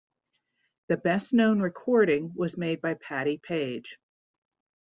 The best-known recording was made by Patti Page.